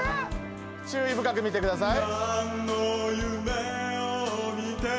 注意深く見てください。